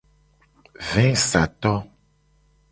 Vesato.